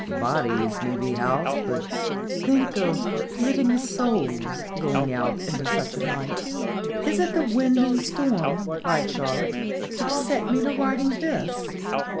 "Bodies may be housed, but think of flitting souls go ing out into such a night." " Is it the wind and storm," cried Charlotte, "which set me to writing this?"